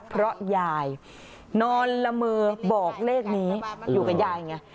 เพราะยายนอนละมือบอกเลขนี้อยู่กับยายอย่างเงี้ย